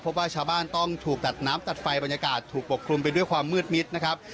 ชาวบ้านต้องถูกตัดน้ำตัดไฟบรรยากาศถูกปกคลุมไปด้วยความมืดมิดนะครับ